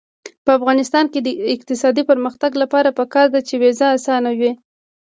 د افغانستان د اقتصادي پرمختګ لپاره پکار ده چې ویزه اسانه وي.